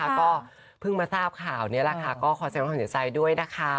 ก็เพิ่งมาทราบข่าวนี้แหละค่ะก็ขอแสดงความเสียใจด้วยนะคะ